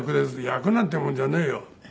「役なんてもんじゃねえよ」